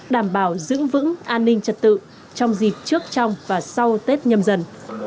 đảm bảo giữ vững an ninh trật tự trong dịp trước trong và sau tết nhâm dần